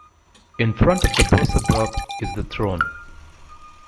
In front of the bossabok is the throne.